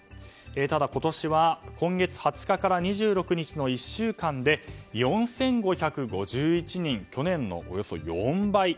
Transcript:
ただ、今年は今月２０日から２６日の１週間で４５５１人、去年のおよそ４倍。